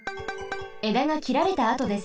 えだがきられたあとです。